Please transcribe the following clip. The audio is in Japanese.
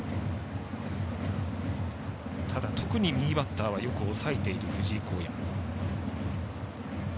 ただ、右バッターはよく抑えている藤井皓哉。